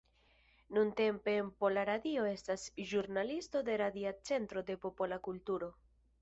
Nuntempe en Pola Radio estas ĵurnalisto de Radia Centro de Popola Kulturo.